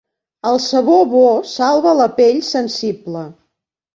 El sabó bo salva la pell sensible.